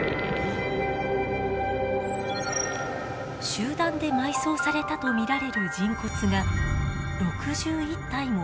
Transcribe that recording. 集団で埋葬されたと見られる人骨が６１体も見つかりました。